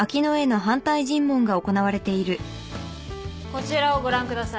こちらをご覧ください。